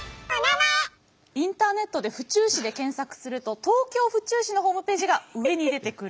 インターネットで「府中市」で検索すると東京・府中市のホームページが上に出てくる。